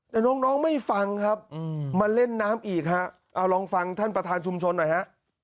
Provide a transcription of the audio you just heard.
แต่น้องไม่ฟังครับมาเล่นน้ำอีกฮะเอาลองฟังท่านประธานชุมชนหน่อยฮะ